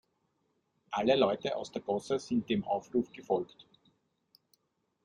Alle Leute aus der Gosse sind dem Aufruf gefolgt.